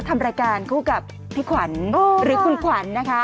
ทำรายการคู่กับพี่ขวัญหรือคุณขวัญนะคะ